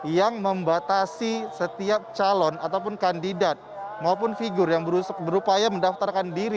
yang membatasi setiap calon ataupun kandidat maupun figur yang berupaya mendaftarkan diri